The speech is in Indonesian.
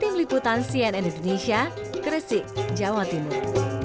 tim liputan cnn indonesia gresik jawa timur